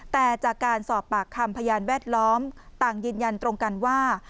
แต่จากการสอบปากคำพยานแวดล้อมต่างยืนยันตรงกันว่า